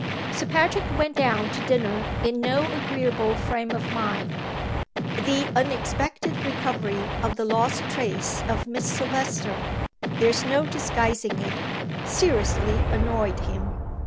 Sir Patrick went down to dinner in no agreeable frame of mind. The unexpected recovery of the lost trace of Miss Silvester there is no disguising it seriously annoyed him.